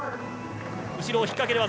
後ろを引っ掛ける技。